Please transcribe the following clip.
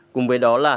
cùng với đó là hàn quốc